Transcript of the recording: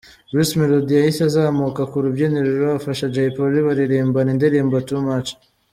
Bruce Melody yahise azamuka ku rubyiniro afasha Jay Polly baririmbana indirimbo ‘Too Much’.